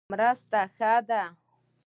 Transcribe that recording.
مرسته ښه ده.